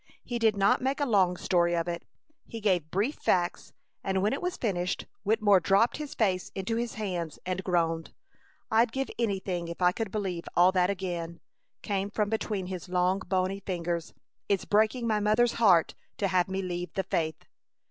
He did not make a long story of it. He gave brief facts, and when it was finished Wittemore dropped his face into his hands and groaned: "I'd give anything if I could believe all that again," came from between his long bony fingers. "It's breaking my mother's heart to have me leave the faith!"